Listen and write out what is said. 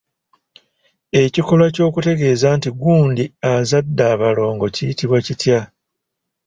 Ekikolwa ky'okutegeeza nti gundi azadde abalongo kiyitibwa kitya?